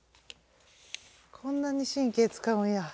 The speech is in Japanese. こんなに神経つかうんや。